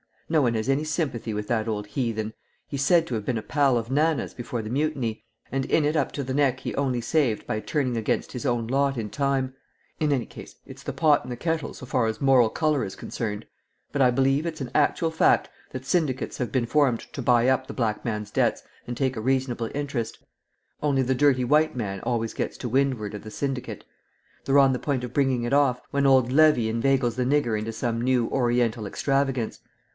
No one has any sympathy with that old heathen; he's said to have been a pal of Nana's before the Mutiny, and in it up to the neck he only saved by turning against his own lot in time; in any case it's the pot and the kettle so far as moral colour is concerned. But I believe it's an actual fact that syndicates have been formed to buy up the black man's debts and take a reasonable interest, only the dirty white man always gets to windward of the syndicate. They're on the point of bringing it off, when old Levy inveigles the nigger into some new Oriental extravagance.